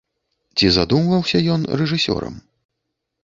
Ці задумваўся ён рэжысёрам?